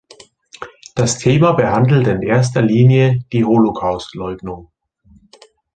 Das Thema behandelt in erster Linie die Holocaustleugnung.